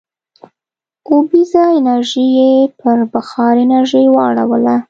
اوبیزه انرژي یې پر بخار انرژۍ واړوله.